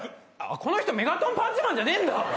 この人メガトンパンチマンじゃないんだ。